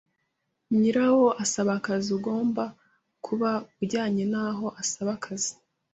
nyirawo asaba akazi ugomba kuba ujyanye n’aho asaba akazi.